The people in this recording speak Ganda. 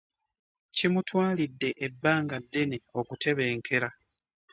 Kimutwalidde ebbanga ddene okutebenkerea .